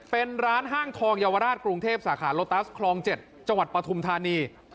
เป็นร้านห้างทองเยาวราชกรุงเทพสาขาโลตัสคลอง๗จังหวัดปฐุมธานี